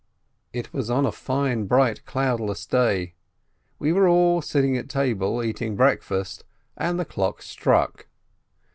It was on a fine, bright, cloudless day; we were all sitting at table, eating breakfast, and the clock struck.